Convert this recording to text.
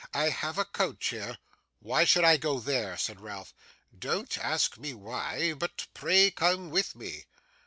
I have a coach here.' 'Why should I go there?' said Ralph. 'Don't ask me why, but pray come with me.